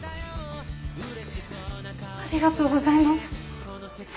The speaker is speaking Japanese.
ありがとうございます。